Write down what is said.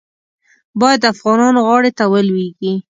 باید د افغانانو غاړې ته ولوېږي.